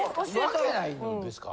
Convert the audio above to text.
わけないんですか？